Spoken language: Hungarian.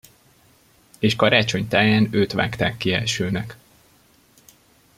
És karácsony táján őt vágták ki elsőnek.